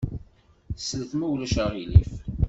Slet, ma ulac aɣilif.